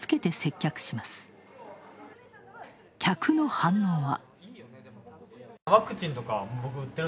客の反応は。